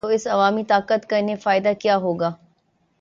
تو اس عوامی طاقت کا انہیں فائدہ کیا ہو گا؟